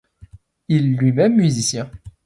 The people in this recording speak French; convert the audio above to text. Il lui-même musicien.